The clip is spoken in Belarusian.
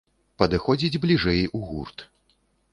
Падыходзіць бліжэй у гурт.